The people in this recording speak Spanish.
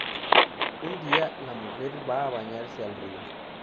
Un día, la mujer va a bañarse al río.